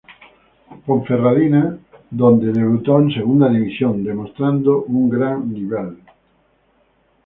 Ponferradina donde debutó en Segunda División demostrando un gran nivel.